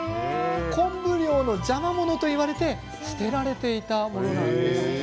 昆布漁の邪魔者といわれて捨てられていたものなんです。